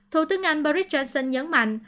thủ tướng anh boris johnson nhấn mạnh